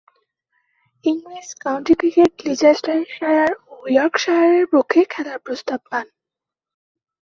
ইংরেজ কাউন্টি ক্রিকেটে লিচেস্টারশায়ার ও ইয়র্কশায়ারের পক্ষে খেলার প্রস্তাব পান।